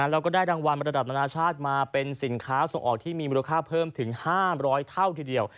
แล้วก็ได้รางวัลระดับนานาชาติมาเป็นสินค้าส่งออกที่มีมูลค่าเพิ่มถึง๕๐๐เท่าทีเดียว